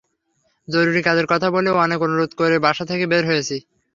জরুরি কাজের কথা বলে অনেক অনুরোধ করে বাসা থেকে বের হয়েছি।